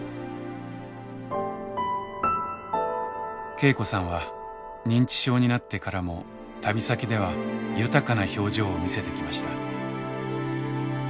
恵子さんは認知症になってからも旅先では豊かな表情を見せてきました。